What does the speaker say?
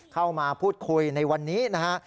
เข้ามาพูดคุยในวันนี้นะฮะ